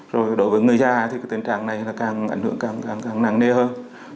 rồi đối với người già thì tình trạng này càng ảnh hưởng càng năng nề hơn